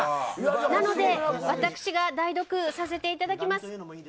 なので私が代読させていただきます。